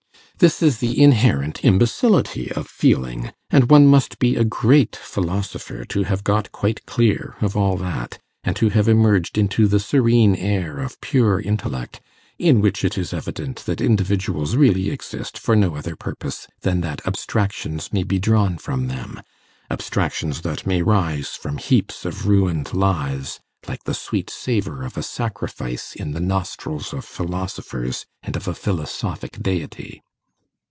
This is the inherent imbecility of feeling, and one must be a great philosopher to have got quite clear of all that, and to have emerged into the serene air of pure intellect, in which it is evident that individuals really exist for no other purpose than that abstractions may be drawn from them abstractions that may rise from heaps of ruined lives like the sweet savour of a sacrifice in the nostrils of philosophers, and of a philosophic Deity.